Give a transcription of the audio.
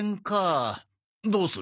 どうする？